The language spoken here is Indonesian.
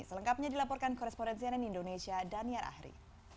selengkapnya dilaporkan korespondensian indonesia dania rahri